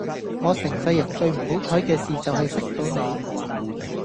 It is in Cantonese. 我成世人最唔好彩既事就係識到你